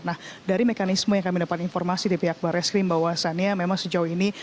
nah dari mekanisme yang kami dapat informasi dari pihak barreskrim bahwasannya memang sejauh ini